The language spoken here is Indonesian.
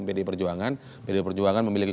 mpd perjuangan mpd perjuangan memiliki